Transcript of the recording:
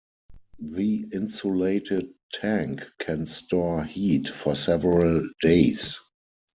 The insulated tank can store heat for several days.